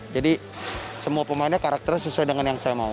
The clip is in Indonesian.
jadi semua pemainnya karakternya sesuai dengan yang saya mau